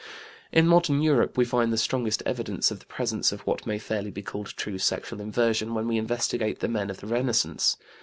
In modern Europe we find the strongest evidence of the presence of what may fairly be called true sexual inversion when we investigate the men of the Renaissance.